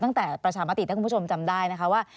ประชามติถ้าคุณผู้ชมจำได้นะคะว่า